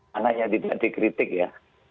makanya tidak dikritik ya